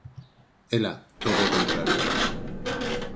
Ela, todo o contrario.